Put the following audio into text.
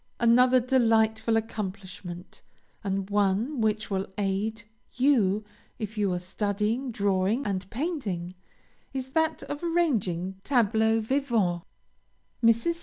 Another delightful accomplishment, and one which will aid you if you are studying drawing and painting, is that of arranging tableaux vivants. Mrs.